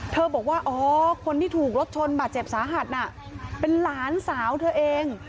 บอกว่าอ๋อคนที่ถูกรถชนบาดเจ็บสาหัสน่ะเป็นหลานสาวเธอเอง